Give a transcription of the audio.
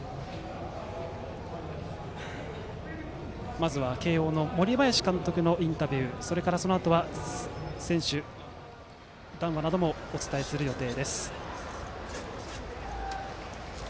まずは慶応の森林監督のインタビューそれからそのあとは選手談話などもお伝えする予定です。